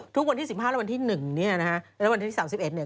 ทุกวันที่๑๕และวันที่๓๑เนี่ย